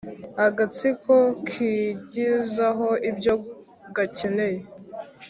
agatsiko kigwizaho ibyo gakeneye,